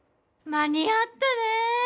間に合ったね